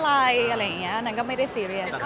อะไรอย่างนี้นางก็ไม่ได้ซีเรียส